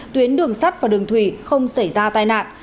tuyến đường sắt và đường thủy không xảy ra tai nạn